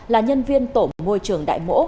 là nhân viên tổ môi trường đại mỗ